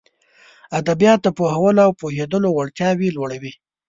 ادبيات د پوهولو او پوهېدلو وړتياوې لوړوي.